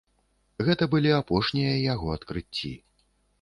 Гэта былі апошнія яго адкрыцці.